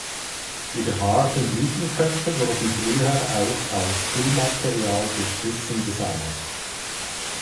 Die behaarten Blütenköpfe wurden früher auch als Füllmaterial für Kissen gesammelt.